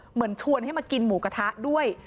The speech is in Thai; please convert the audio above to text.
เหมือนชวนให้มากินหมูกระทะด้วย